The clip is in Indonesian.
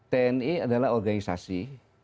tni adalah organisasi